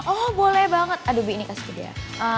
oh boleh banget aduh bi ini kasih gede ya